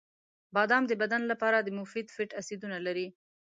• بادام د بدن لپاره د مفید فیټ اسیدونه لري.